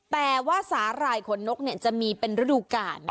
แต่ว่าสาหร่ายขนนกจะมีเป็นฤดูกาล